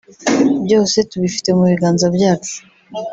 “Byose tubifite mu biganza byacu